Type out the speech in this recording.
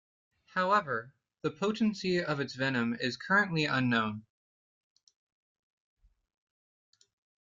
However, the potency of its venom is currently unknown.